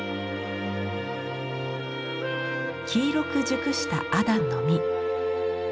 黄色く熟したアダンの実。